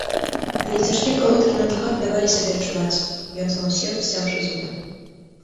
Але цяжкія калодкі на нагах давалі сябе адчуваць, ён зноў сеў, сцяўшы зубы.